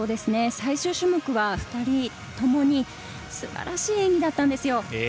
最終種目は２人ともに素晴らしい演技だったんです。